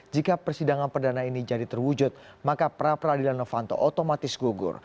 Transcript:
jika persidangan perdana ini jadi terwujud maka pra peradilan novanto otomatis gugur